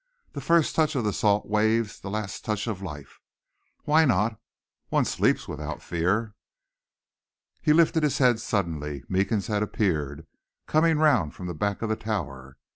The first touch of the salt waves, the last touch of life. Why not? One sleeps without fear." He lifted his head suddenly. Meekins had appeared, coming round from the back of the Tower.